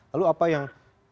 lalu apa yang